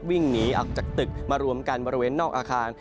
วิ่งหนีออกจากตึกมารวมกันบริเวณนอกอาคาร